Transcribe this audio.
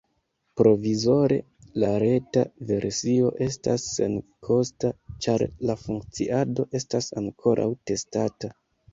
Provizore la reta versio estas senkosta, ĉar la funkciado estas ankoraŭ testata.